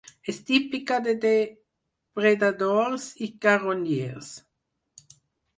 És típica de depredadors i carronyers.